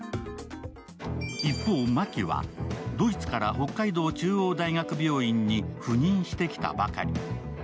一方、真木はドイツから北海道中央大学病院に赴任してきたばかり。